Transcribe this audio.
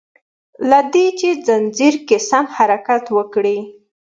له دي چي ځنځير کی سم حرکت وکړي